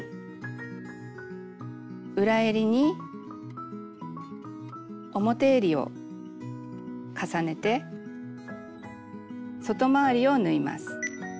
裏えりに表えりを重ねて外回りを縫います。